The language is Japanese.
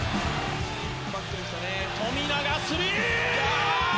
富永、スリー！